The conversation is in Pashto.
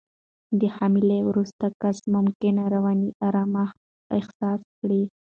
د حملې وروسته کس ممکن رواني آرامښت احساس کړي.